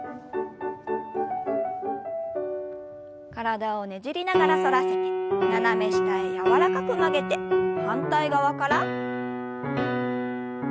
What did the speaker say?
体をねじりながら反らせて斜め下へ柔らかく曲げて反対側から。